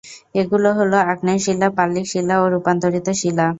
এগুলো হল- আগ্নেয় শিলা, পাললিক শিলা ও রুপান্তরিত শিলা।